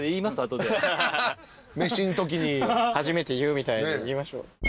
初めて言うみたいに言いましょう。